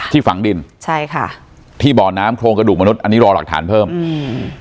ฝังดินใช่ค่ะที่บ่อน้ำโครงกระดูกมนุษย์อันนี้รอหลักฐานเพิ่มอืม